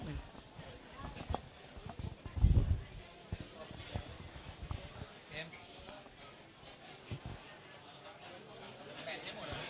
พี่เอ็มได้ยินมั้ยพี่เอ็ม